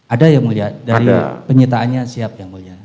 ada yang mulia dari penyitaannya siap yang mulia